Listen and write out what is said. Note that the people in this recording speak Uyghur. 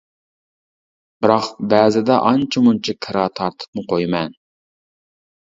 بىراق بەزىدە ئانچە مۇنچە كىرا تارتىپمۇ قويىمەن.